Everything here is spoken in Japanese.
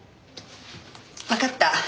わかった。